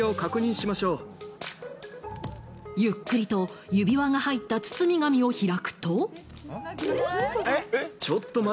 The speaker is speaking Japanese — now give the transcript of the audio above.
ゆっくりと指輪が入った包み紙を開くと。